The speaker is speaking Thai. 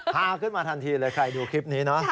พาขึ้นมาทันทีเลยใครดูคลิปนี้เนอะ